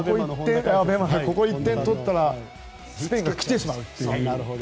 ここで１点を取ったらスペインが来てしまうというね。